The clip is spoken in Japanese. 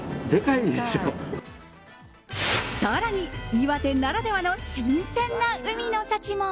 更に、岩手ならではの新鮮な海の幸も。